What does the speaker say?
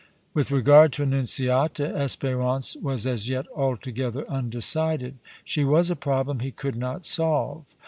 With regard to Annunziata, Espérance was as yet altogether undecided; she was a problem he could not solve.